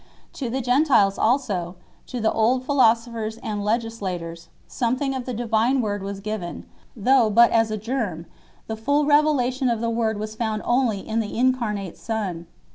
To the Gentiles also, to the old philosophers and legislators, something of the divine Word was given, though but as a germ 4 ; the full revelation of the Word was found only in the Incarnate Son.